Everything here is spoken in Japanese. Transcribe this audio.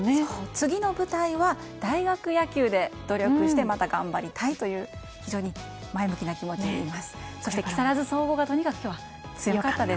次の舞台は大学野球で努力してまた頑張りたいという前向きな気持ちでした。